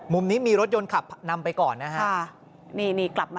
มุมนี้มีรถยนต์ขับนำไปก่อนนะฮะ